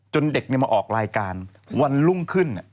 จนเด็กเนี่ยมาออกรายการวันรุ่งขึ้น